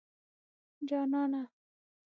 جانانه